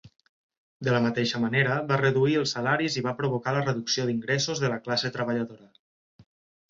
De la mateixa manera, va reduir els salaris i va provocar la reducció d'ingressos de la classe treballadora.